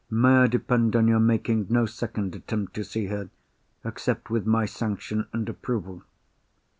May I depend on your making no second attempt to see her—except with my sanction and approval?"